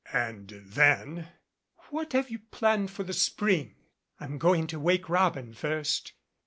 And then, "What have you planned for the spring?" "I'm going to 'Wake Robin' first.